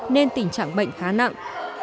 nên tình trạng bệnh khá nặng